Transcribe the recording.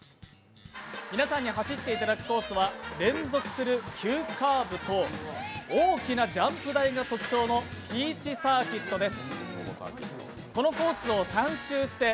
皆さんに走っていただくコースは連続する急カーブと大きなジャンプ台が特徴のピーチサーキットです。